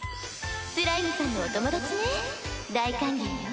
スライムさんのお友達ね大歓迎よ。